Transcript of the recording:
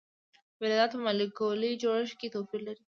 فلزات په مالیکولي جوړښت کې توپیر لري.